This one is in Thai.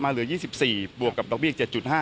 เหลือ๒๔บวกกับดอกเบี้๗๕